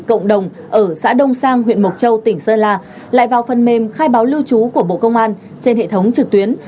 cộng đồng ở xã đông sang huyện mộc châu tỉnh sơn la lại vào phần mềm khai báo lưu trú của bộ công an trên hệ thống trực tuyến